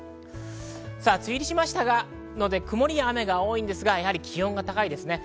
梅雨入りしましたので、曇り、雨が多いですが、気温が高いです。